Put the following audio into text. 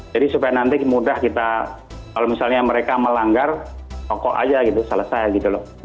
jadi supaya nanti mudah kita kalau misalnya mereka melanggar pokok aja gitu selesai gitu loh